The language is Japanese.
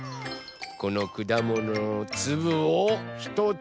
このくだもののつぶをひとつぶどう？